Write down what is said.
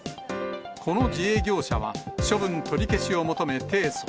この自営業者は、処分取り消しを求め提訴。